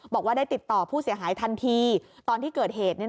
บอกว่าได้ติดต่อผู้เสียหายทันทีตอนที่เกิดเหตุ